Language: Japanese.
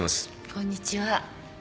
こんにちは。